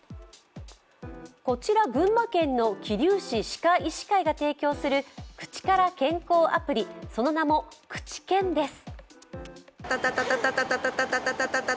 こちら群馬県の桐生市歯科医師会が提供する口から健康アプリ、その名もくちけんです。